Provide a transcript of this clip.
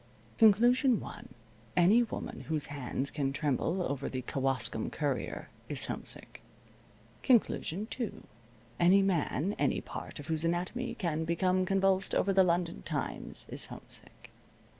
Conclusion one: Any woman whose hands can tremble over the Kewaskum Courier is homesick. Conclusion two: Any man, any part of whose anatomy can become convulsed over the London Times is homesick.